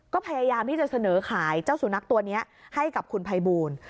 ก็พยายามที่จะเสนอขายเจ้าสุนัขตัวนี้ให้กับคุณภัยบูล